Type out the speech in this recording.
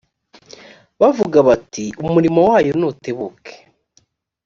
bakavuga bati umurimo wayo nutebuke